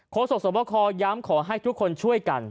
โค้ดศักดิ์สมบัติคอร์ย้ำขอให้ทุกคนช่วยกัน